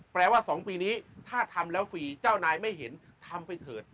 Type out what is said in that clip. แปลว่า๒ปีนี้ถ้าทำแล้วฟรีเจ้านายไม่เห็นทำไปเถิด